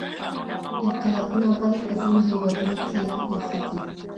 انقلابونه ولي په ځينو هېوادونو کي پېښېږي؟